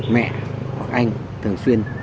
mẹ hoặc anh thường xuyên